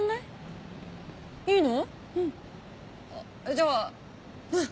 じゃあうん！